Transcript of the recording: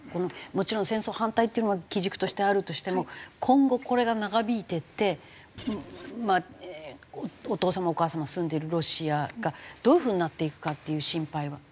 もちろん戦争反対っていうのは基軸としてあるとしても今後これが長引いていってお父様お母様が住んでるロシアがどういう風になっていくかっていう心配は？